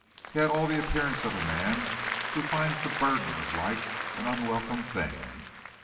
He had all the appearance of a man who finds the burden of life an unwelcome thing.